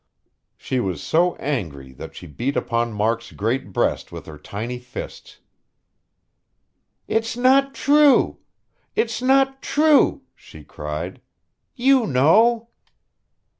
She was so angry that she beat upon Mark's great breast with her tiny fists. "It's not true! It's not true!" she cried. "You know...."